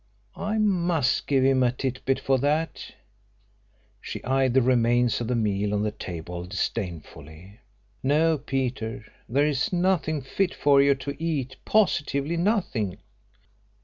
"I must give him a tit bit for that." She eyed the remains of the meal on the table disdainfully. "No, Peter, there is nothing fit for you to eat positively nothing.